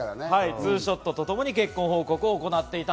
ツーショットとともに結婚報告を行いました。